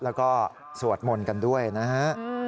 แล้วก็สวดมนต์กันด้วยนะฮะ